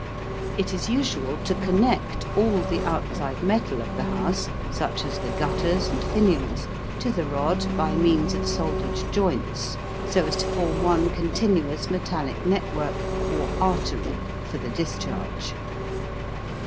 It is usual to connect all the outside metal of the house, such as the gutters and finials to the rod by means of soldered joints, so as to form one continuous metallic network or artery for the discharge.